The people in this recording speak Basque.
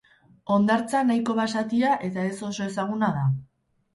Hondartza nahiko basatia eta ez oso ezaguna da.